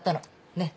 ねっ。